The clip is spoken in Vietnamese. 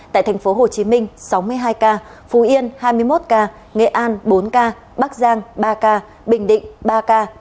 tại thành phố hồ chí minh sáu mươi hai ca phú yên hai mươi một ca nghệ an bốn ca bắc giang ba ca bình định ba ca